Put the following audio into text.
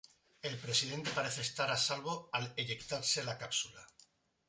El presidente parece estar a salvo al eyectarse la cápsula.